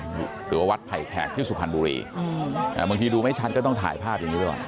หรือว่าวัดไผ่แขกที่สุพรรณบุรีอืมอ่าบางทีดูไม่ชันก็ต้องถ่ายภาพอย่างนี้ด้วย